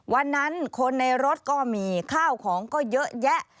วันนั้นคนในรถก็มีข้าวของก็เยอะแยะ